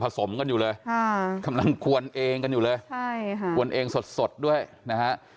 มีปรับสูตรใส่สเตียรอยเข้าไปอีกอ่ะ